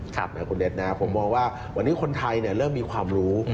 ผมมองว่าวันนี้คนไทยเริ่มมีความรู้